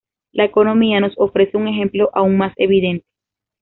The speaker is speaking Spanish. La economía nos ofrece un ejemplo aún más evidente.